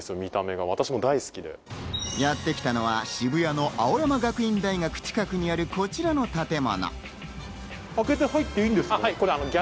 やってきたのは渋谷の青山学院大学近くにある、こちらの建物。